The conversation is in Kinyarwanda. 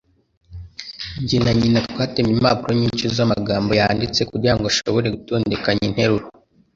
Jye na nyina twatemye impapuro nyinshi z'amagambo yanditse kugira ngo ashobore gutondekanya interuro.